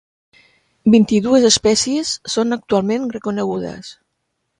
Vint-i-dues espècies són actualment reconegudes.